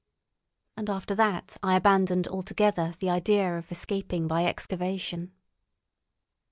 And after that I abandoned altogether the idea of escaping by excavation.